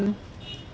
kepada seluruh rakyat